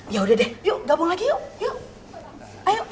yaudah deh yuk gabung lagi yuk